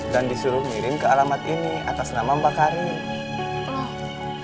dan disuruh mirim ke alamat ini atas nama mbak karim